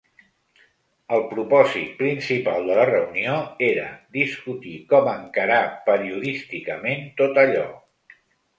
El propòsit principal de la reunió era discutir com encarar periodísticament tot allò.